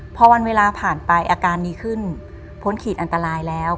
พอวันเวลาผ่านไปอาการดีขึ้นพ้นขีดอันตรายแล้ว